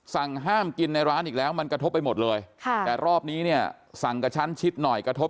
สั่งห้ามกินในร้านอีกแล้วมันกระทบไปหมดเลยค่ะแต่รอบนี้เนี่ยสั่งกระชั้นชิดหน่อยกระทบ